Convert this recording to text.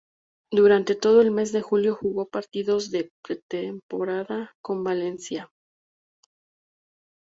Durante todo el mes de julio, jugó partidos de pretemporada con el Valencia.